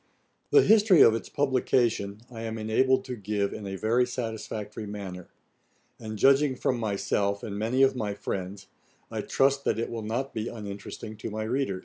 The history of its publication I am enabled to give in a very satisfactory manner; and judging from myself, and many of my friends, I trust that it will not be uninteresting to my readers.